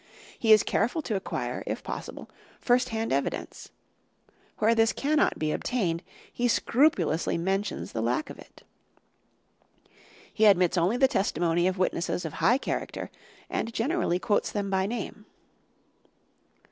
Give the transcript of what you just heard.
He is careful to acquire, if possible, first hand evidence; where this cannot be obtained, he scrupulously mentions the lack of it. He admits only the testimony of witnesses of high character and generally quotes them by name.